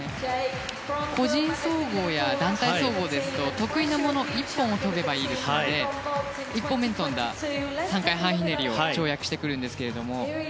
個人総合や団体総合ですと得意なもの１本を跳べばいいので１本目に跳んだ３回半ひねりを跳躍してくるんですけれども。